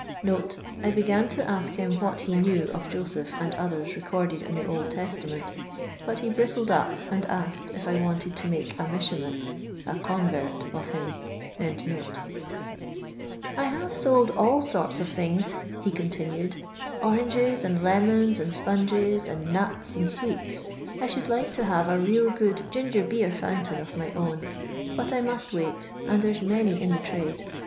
[I began to aek him what he knew of Joeeph, and othen recorded in the Old Testament, bat he brietled up, and aaked if I wanted to make a Meihumet (a oonTort) of him f| " I hare eold all eorta of thiDge," he continued, " omngee, and lemons, and sponges, and nuts, and aweets. I should like to hate a real good ginger beer fountain of my own ; but I must wait, and there 's many in the trade.